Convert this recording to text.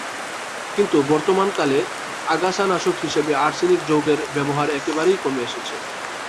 কিন্তু বর্তমান কালে আগাছানাশক হিসেবে আর্সেনিক যৌগের ব্যবহার একেবারেই কমে এসেছে।